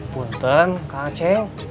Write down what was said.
buktin kak aceng